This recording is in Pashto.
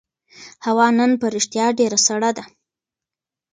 هوا نن په رښتیا ډېره سړه ده.